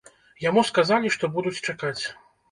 Яму сказалі, што будуць чакаць.